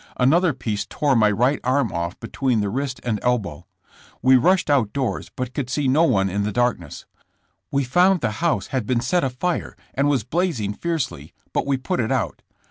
Another piece tore my right arm off between the wrist and elbow. We rushed out doors but could see no one in the dark ness. We found the house had been set afire and was blazing fiercely, but we put it out.